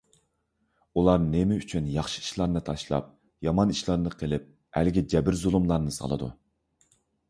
ئۇلار نېمە ئۈچۈن ياخشى ئىشلارنى تاشلاپ، يامان ئىشلارنى قىلىپ، ئەلگە جەبىر - زۇلۇملارنى سالىدۇ؟